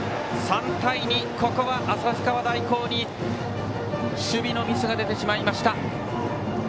３対２、ここは旭川大高に守備のミスが出てしまいました。